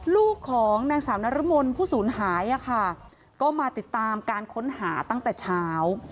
ลูกของนางสาวนรมนผู้สูญหายก็มาติดตามการค้นหาตั้งแต่เช้า